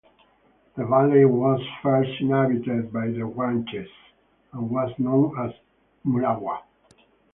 The valley was first inhabited by the Guanches and was known as "Mulagua".